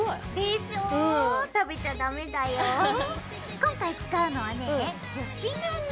今回使うのはね樹脂粘土。